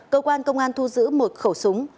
cơ quan công an thu giữ một khẩu súng